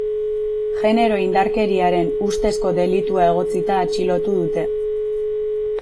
Genero indarkeriaren ustezko delitua egotzita atxilotu dute.